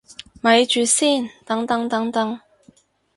咪住先，等等等等